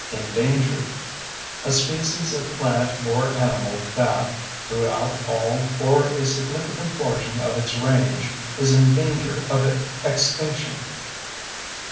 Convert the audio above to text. ENDANGERED: A species of plant or animal that, throughout all or a significant portion of its range, is in danger of extinction.